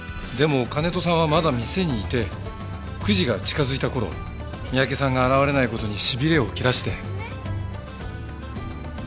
でも金戸さんはまだ店にいて９時が近づいた頃三宅さんが現れない事にしびれを切らして。